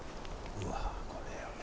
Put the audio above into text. うわっこれはね。